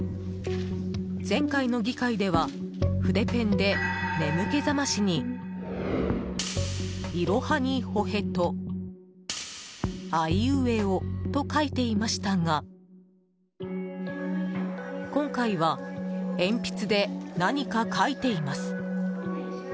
前回の議会では筆ペンで眠気覚ましに「いろはにほへと」「あいうえお」と書いていましたが今回は鉛筆で何か書いています。